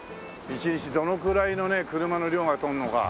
一日どのくらいのね車の量が通るのか。